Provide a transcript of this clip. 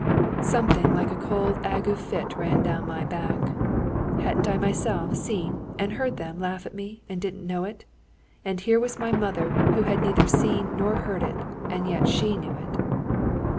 Something like a cold ague fit ran down my back. Hadn't I myself seen and heard them laugh at me, and didn't know it? and here was my mother who had neither seen nor heard it, and yet she knew it!